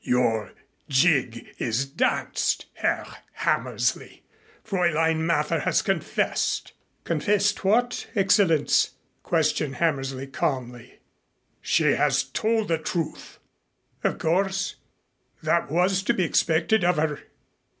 "Your jig is danced, Herr Hammersley, Fräulein Mather has confessed." "Confessed what, Excellenz?" questioned Hammersley calmly. "She has told the truth." "Of course, that was to be expected of her."